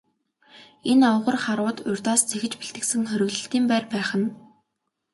Энэ овгор харууд урьдаас зэхэж бэлтгэсэн хориглолтын байр байх нь.